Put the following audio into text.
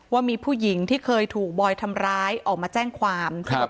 ว่ามีผู้หญิงที่เคยถูกบอยทำร้ายออกมาแจ้งความ